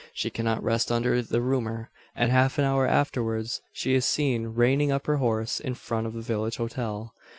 She cannot rest under the rumour; and half an hour afterwards, she is seen reining up her horse in front of the village hotel.